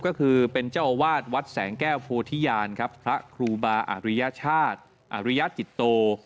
ก็คือเป็นเจ้าอาวาสวัดแสงแก้วโพธิญาณครับพระครูบาอริยชาติอริยจิตโต